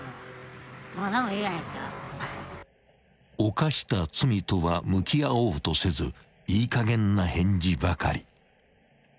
［犯した罪とは向き合おうとせずいいかげんな返事ばかり］